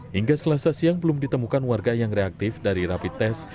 hingga selasa siang belum ditemukan warga yang reaktif dari rapid test